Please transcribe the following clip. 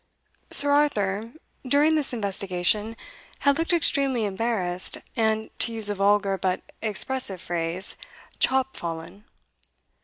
Sir Arthur, during this investigation, had looked extremely embarrassed, and, to use a vulgar but expressive phrase, chop fallen.